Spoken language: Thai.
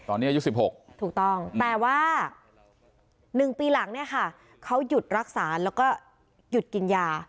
ตอนนี้อายุ๑๖ถูกต้องแต่ว่า๑ปีหลังเนี่ยค่ะเขาหยุดรักษาแล้วก็หยุดกินยา